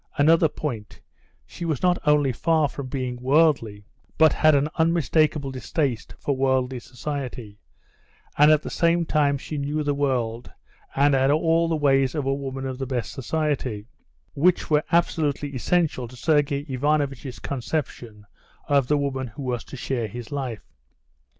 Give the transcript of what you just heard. Another point: she was not only far from being worldly, but had an unmistakable distaste for worldly society, and at the same time she knew the world, and had all the ways of a woman of the best society, which were absolutely essential to Sergey Ivanovitch's conception of the woman who was to share his life.